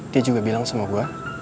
dia juga bilang sama gue